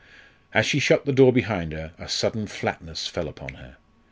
As she shut the door behind her, a sudden flatness fell upon her.